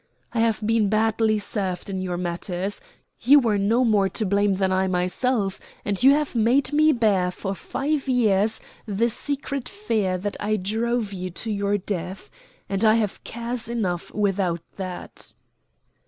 "I have been badly served in your matters. You were no more to blame than I myself, and you have made me bear for five years the secret fear that I drove you to your death. And I have cares enough without that."